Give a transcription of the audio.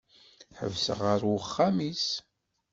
Ḥebseɣ ɣur uxxam-is.